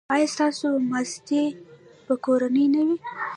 ایا ستاسو ماستې به کورنۍ نه وي؟